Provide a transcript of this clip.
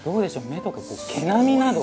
目とか毛並みなど。